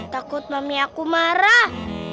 takut mami aku marah